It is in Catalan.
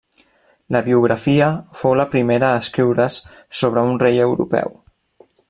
La biografia fou la primera a escriure's sobre un rei europeu.